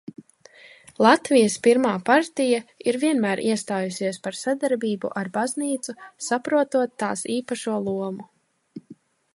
Latvijas Pirmā partija ir vienmēr iestājusies par sadarbību ar baznīcu, saprotot tās īpašo lomu.